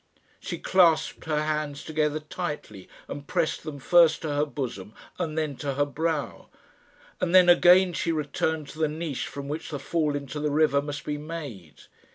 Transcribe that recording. She clasped her hands together tightly, and pressed them first to her bosom and then to her brow, and then again she returned to the niche from which the fall into the river must be made.